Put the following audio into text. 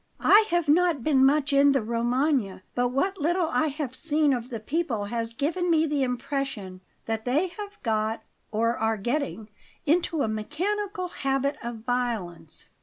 I have not been much in the Romagna, but what little I have seen of the people has given me the impression that they have got, or are getting, into a mechanical habit of violence."